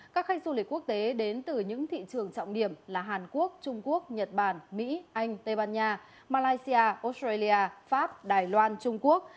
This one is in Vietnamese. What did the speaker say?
các khách du lịch quốc tế đến từ những thị trường trọng điểm là hàn quốc trung quốc nhật bản mỹ anh tây ban nha malaysia pháp đài loan trung quốc